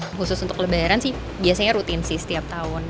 khusus untuk lebaran sih biasanya rutin sih setiap tahun